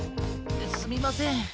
すみません。